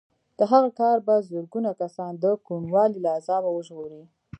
د هغه کار به زرګونه کسان د کوڼوالي له عذابه وژغوري